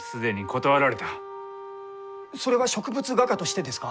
それは植物画家としてですか？